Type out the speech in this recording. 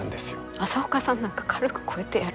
朝岡さんなんか軽く超えてやる。